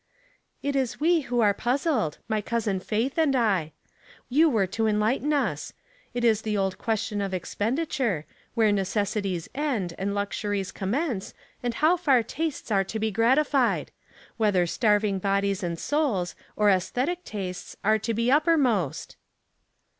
"It is we who are puzzled — my cousin Faith and I. You were to enlighten us. It is the old question of expenditure — where necessities end and luxuries commence, and how far tastes are to be gratified ? Whether starving bodies and souls, or aesthetic tastes, are to be upper most